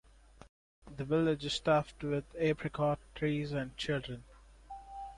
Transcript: The village is stuffed with apricot trees and children.